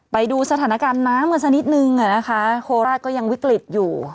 ไปดูสถานการณน้ำเหมือนสันนิดนึงนะคะโคลราตรก็ยังวิกลิดอยู่